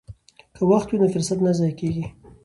که وخت وي نو فرصت نه ضایع کیږي.